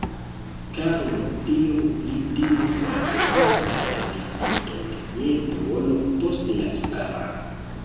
Karlo tiom pli timis la petitan viziton je duono post la kvara.